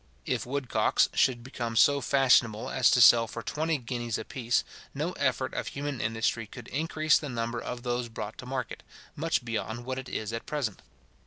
If woodcocks should become so fashionable as to sell for twenty guineas a piece, no effort of human industry could increase the number of those brought to market, much beyond what it is at present.